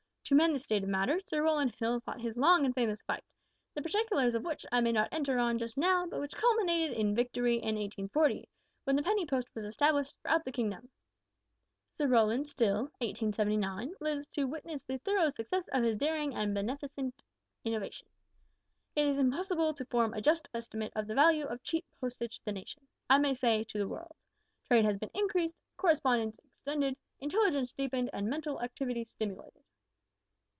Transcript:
To mend this state of matters, Sir Rowland Hill fought his long and famous fight, the particulars of which I may not enter on just now, but which culminated in victory in 1840, when the Penny Post was established throughout the kingdom. Sir Rowland still (1879) lives to witness the thorough success of his daring and beneficent innovation! It is impossible to form a just estimate of the value of cheap postage to the nation, I may say, to the world. Trade has been increased, correspondence extended, intelligence deepened, and mental activity stimulated.